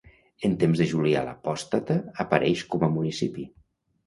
En temps de Julià l'Apòstata apareix com a municipi.